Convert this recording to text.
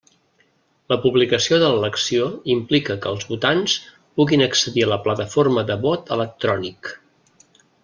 La publicació de l'elecció implica que els votants puguin accedir a la plataforma de vot electrònic.